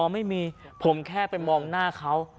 ไม่มีผมแค่ไปมองหน้าเขา